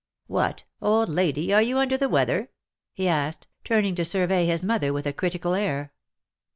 " What, old lady, are you under the weather ?'' he asked, turning to survey his mother with a critical air.